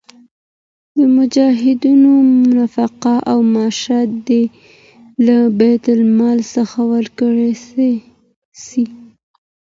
د مجاهدينو نفقه او معاشات دي له بیت المال څخه ورکړل سي.